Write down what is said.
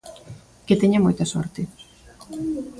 ¡Que teña moita sorte!